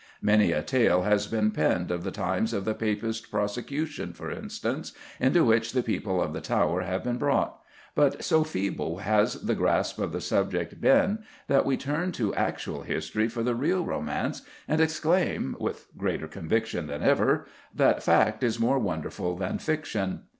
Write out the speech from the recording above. Many a tale has been penned of the times of the Papist prosecution, for instance, into which the people of the Tower have been brought, but so feeble has the grasp of the subject been that we turn to actual history for the "real romance" and exclaim, with greater conviction than ever, that fact is more wonderful than fiction.